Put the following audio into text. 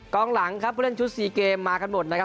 กลางหลังครับผู้เล่นชุด๔เกมมากันหมดนะครับ